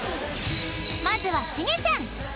［まずはしげちゃん］